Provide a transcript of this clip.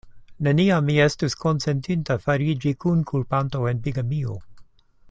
Neniam mi estus konsentinta fariĝi kunkulpanto en bigamio.